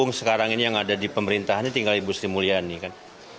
yang sekarang ini yang ada di pemerintahannya tinggal ibu sri mulyani kan